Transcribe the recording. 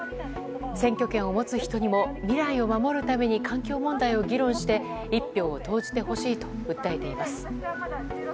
選挙権を持つ人にも未来を守るために環境問題を議論して１票を投じてほしいと訴えています。